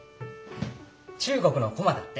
中国のコマだって。